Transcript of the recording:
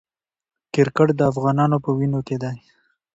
کرکټ د افغانانو په وینو کې دی.